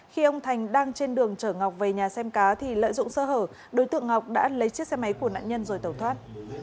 khi ông thành đang trên đường chở ngọc về nhà xem cá thì lợi dụng sơ hở đối tượng ngọc đã lấy chiếc xe máy của nạn nhân rồi tẩu thoát